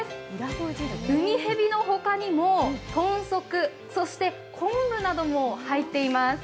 うみへびのほかにも豚足そして昆布なども入っています。